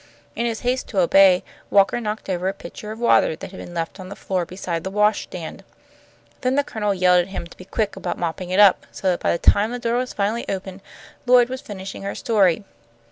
In his haste to obey, Walker knocked over a pitcher of water that had been left on the floor beside the wash stand. Then the Colonel yelled at him to be quick about mopping it up, so that by the time the door was finally opened, Lloyd was finishing her story.